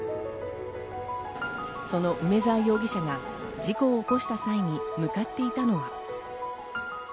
その梅沢容疑者が事故を起こした際に向かっていたのは。